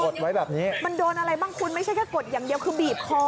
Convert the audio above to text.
ดไว้แบบนี้มันโดนอะไรบ้างคุณไม่ใช่แค่กดอย่างเดียวคือบีบคอ